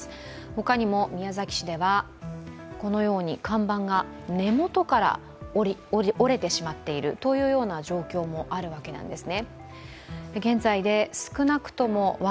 ほかにも宮崎市では、このように看板が根元から折れてしまっているという状況もあるわけです。